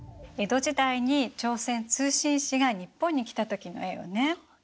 江戸時代に朝鮮通信使が日本に来た時の絵よね。